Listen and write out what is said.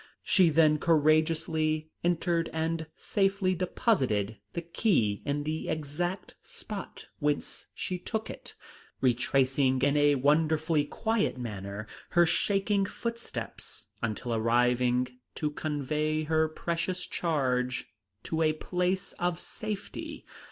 She then courageously entered and safely deposited the key in the exact spot whence she took it, retracing in a wonderfully quiet manner her shaking footsteps until arriving to convey her precious charge to a place of safety.